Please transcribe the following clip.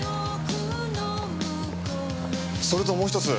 それともう１つ。